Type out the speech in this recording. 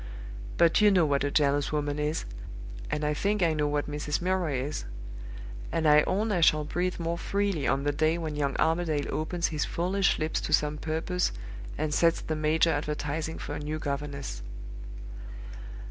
But you know what a jealous woman is, and I think I know what Mrs. Milroy is; and I own I shall breathe more freely on the day when young Armadale opens his foolish lips to some purpose, and sets the major advertising for a new governess.